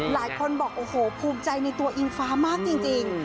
หลายคนบอกโอ้โหภูมิใจในตัวอิงฟ้ามากจริง